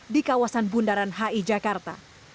di kawasan bundaran hi jakarta